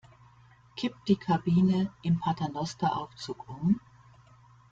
Kippt die Kabine im Paternosteraufzug um?